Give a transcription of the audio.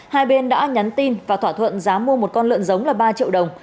hai bên đã nhắn tin và thỏa thuận giá mua một con lợn giống là ba triệu đồng